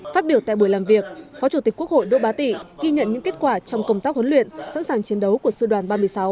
phát biểu tại buổi làm việc phó chủ tịch quốc hội đỗ bá tị ghi nhận những kết quả trong công tác huấn luyện sẵn sàng chiến đấu của sư đoàn ba mươi sáu